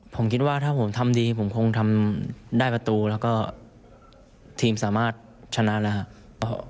ผมคิดว่าถ้าผมทำดีผมคงทำได้ประตูแล้วก็ทีมสามารถชนะแล้วครับ